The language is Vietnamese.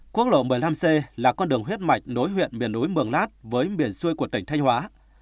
quốc lộ một mươi năm c là con đường huyết mạch nối huyện miền núi mường lát với miền xuôi của tỉnh thanh hóa